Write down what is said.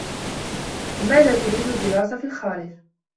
لماذا تريد الدراسة في الخارج؟